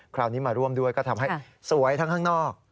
คราวนี้มาร่วมด้วยก็ทำให้สวยทั้งข้างนอก